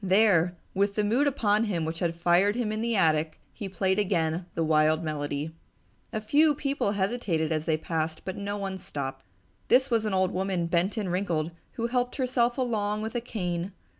There, with the mood upon him which had fired him in the attic, he played again the wild melody. A few people hesitated as they passed, but only one stopped. This was an old woman, bent and wrinkled, who helped herself along with a cane.